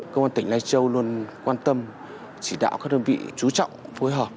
công an tỉnh lai châu luôn quan tâm chỉ đạo các đơn vị chú trọng phối hợp